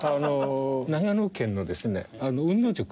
長野県のですね海野宿。